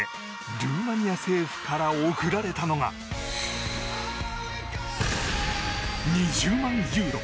ルーマニア政府から贈られたのが２０万ユーロ